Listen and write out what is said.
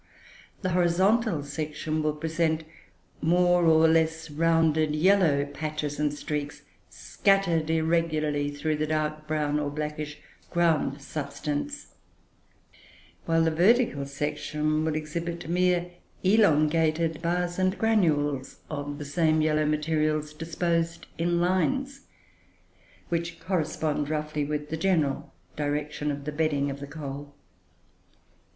The horizontal section will present more or less rounded yellow patches and streaks, scattered irregularly through the dark brown, or blackish, ground substance; while the vertical section will exhibit mere elongated bars and granules of the same yellow materials, disposed in lines which correspond, roughly, with the general direction of the bedding of the coal.